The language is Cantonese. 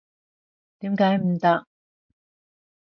點解唔得？